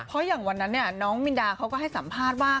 เพราะอย่างวันนั้นน้องมินดาเขาก็ให้สัมภาษณ์ว่า